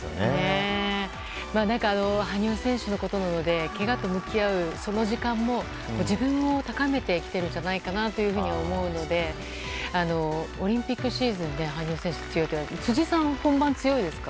羽生選手のことなのでけがと向き合う、その時間も自分を高めてきているんじゃないかなと思うのでオリンピックシーズンで羽生選手強いといわれていますが辻さん、本番強いですか？